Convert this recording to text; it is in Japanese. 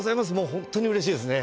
本当にうれしいですね。